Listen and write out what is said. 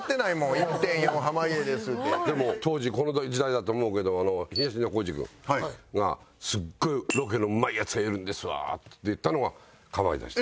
でも当時この時代だと思うけど東野幸治君が「すごいロケのうまいヤツがいるんですわ」って言ったのがかまいたちだった。